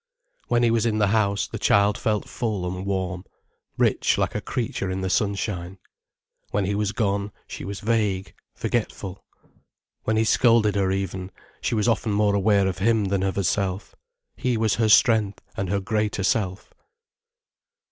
When he was in the house, the child felt full and warm, rich like a creature in the sunshine. When he was gone, she was vague, forgetful. When he scolded her even, she was often more aware of him than of herself. He was her strength and her greater self.